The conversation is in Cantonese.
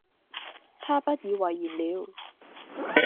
他不以爲然了。